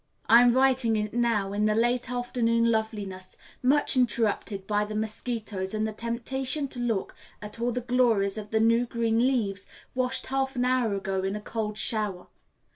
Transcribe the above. I am writing in it now in the late afternoon loveliness, much interrupted by the mosquitoes and the temptation to look at all the glories of the new green leaves washed half an hour ago in a cold shower.